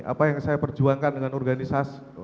apa yang saya perjuangkan dengan organisasi